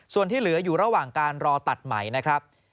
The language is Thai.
ส่วนที่เหลืออยู่ระหว่างการรอตัดใหม่นะครับ